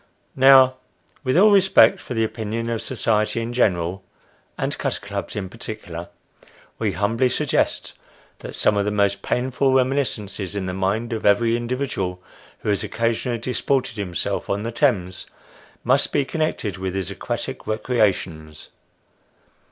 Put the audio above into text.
Now, with all respect for the opinion of society in general, and cutter clubs in particular, we humbly suggest that some of the most painful reminiscences in the mind of every individual who has occasionally disported himself on the Thames, must be connected with his aquatic recreations.